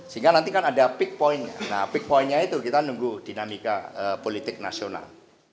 sehingga nanti kan ada big pointnya nah big pointnya itu kita nunggu dinamika politik nasional